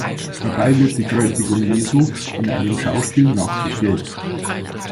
Dabei wird die Kreuzigung Jesu in einem Schauspiel nachgestellt.